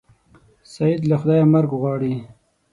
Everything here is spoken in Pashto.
سید له خدایه مرګ غواړي.